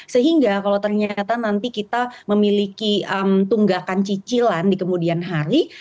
sehingga kalau ternyata nanti kita memiliki tunggakan cicilan di kemudian hari